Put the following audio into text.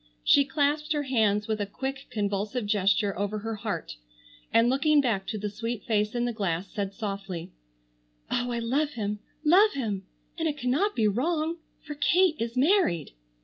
She clasped her hands with a quick, convulsive gesture over her heart and looking back to the sweet face in the glass, said softly, "Oh, I love him, love him! And it cannot be wrong, for Kate is married."